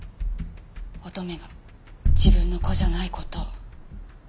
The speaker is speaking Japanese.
乙女が自分の子じゃない事を。